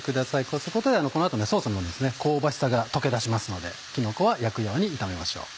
こうすることでこの後ソースの香ばしさが溶け出しますのできのこは焼くように炒めましょう。